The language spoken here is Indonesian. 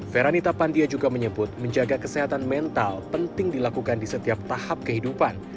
feranita pandia juga menyebut menjaga kesehatan mental penting dilakukan di setiap tahap kehidupan